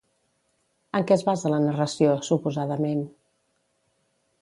En què es basa la narració, suposadament?